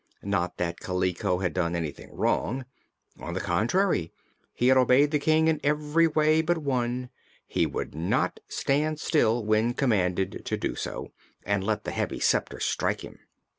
Not that Kaliko had done anything wrong. On the contrary, he had obeyed the King in every way but one: he would not stand still, when commanded to do so, and let the heavy sceptre strike him.